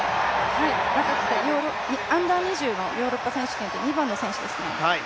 若くてＵ−２０のヨーロッパ選手権２番の選手ですね。